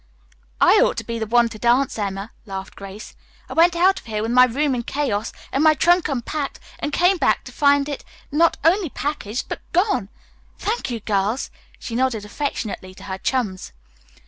"I ought to be the one to dance, Emma," laughed Grace. "I went out of here with my room in chaos and my trunk unpacked, and came back to find it not only packed but gone. Thank you, girls," she nodded affectionately to her chums.